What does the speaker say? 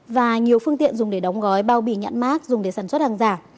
và nhiều phương tiện dùng để đóng gói bao bì nhãn mát dùng để sản xuất hàng giả